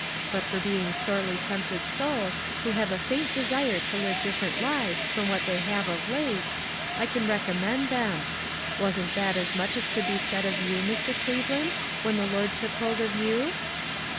But for being sorely tempted souls, who have a faint de sire to live different lives from what they have of late, I can recommend them. Wasn't that as much as could be said of you, Mr. Cleveland, when the Lord took hold of you?"